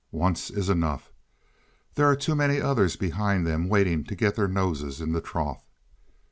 Once is enough. There are too many others behind them waiting to get their noses in the trough.